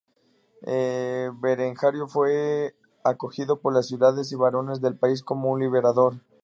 Berengario fue acogido por las ciudades y barones del país como un libertador.